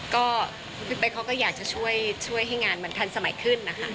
ก็พี่เป๊กเขาก็อยากจะช่วยให้งานมันทันสมัยขึ้นนะคะ